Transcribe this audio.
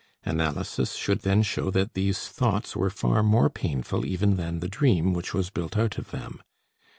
Analysis should then show that these thoughts were far more painful even than the dream which was built out of them.